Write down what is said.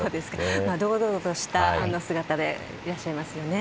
堂々とした姿でいらっしゃいますよね。